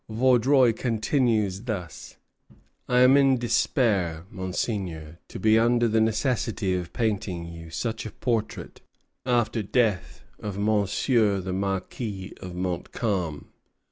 Vaudreuil continues thus: "I am in despair, Monseigneur, to be under the necessity of painting you such a portrait after death of Monsieur the Marquis of Montcalm.